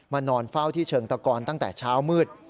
นอนเฝ้าที่เชิงตะกอนตั้งแต่เช้ามืด